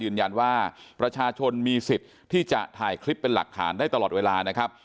ยืนยันว่าประชาชนมีสิทธิ์ที่จะถ่ายคลิปเป็นหลักฐานได้ตลอดเวลานะครับ